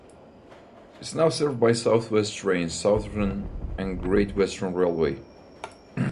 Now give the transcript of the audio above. It is now served by South West Trains, Southern and Great Western Railway.